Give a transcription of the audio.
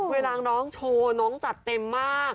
เวลาน้องโชว์น้องจัดเต็มมาก